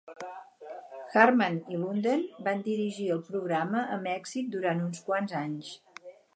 Hartman i Lunden van dirigir el programa amb èxit durant uns quants anys.